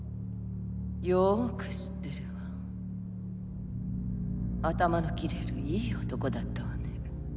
よく知ってるわ頭の切れるいい男だったわね